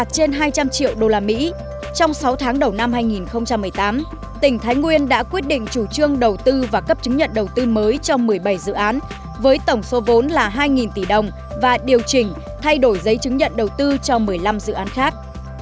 trên hai trăm linh triệu usd trong sáu tháng đầu năm hai nghìn một mươi tám tỉnh thái nguyên đã quyết định chủ trương đầu tư và cấp chứng nhận đầu tư mới cho một mươi bảy dự án với tổng số vốn là hai tỷ đồng và điều chỉnh thay đổi giấy chứng nhận đầu tư cho một mươi năm dự án khác